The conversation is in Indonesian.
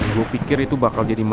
gue pikir itu bakal jadi masalah